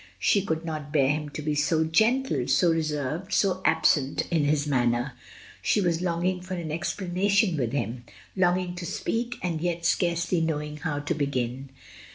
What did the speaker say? She could not bear him to be so gentle, so reserved, so absent in his manner; she was longing for an ex planation with him, longing to speak and yet scarcely knowing how to begin.